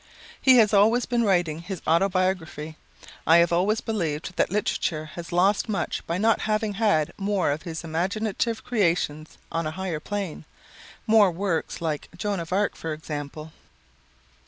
He has always been writing his autobiography, I have always believed that literature has lost much by not having had more of his imaginative creations on a higher plane more works like 'Joan of Arc,' for example."